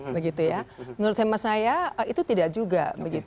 begitu ya menurut saya itu tidak juga